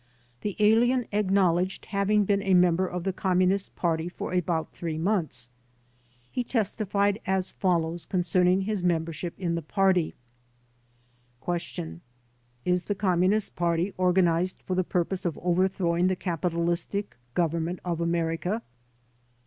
The alien acknowl edged having been a member of the Communist Party for about three months. He testified as follows con cerning his membership in the Party: Q. "Is the Commttnist Party organized for the purpose of overthrowing the capitalistic Government of America?